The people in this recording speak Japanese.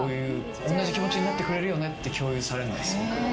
おんなじ気持ちになってくれるよねって共有されるのがすごく苦手。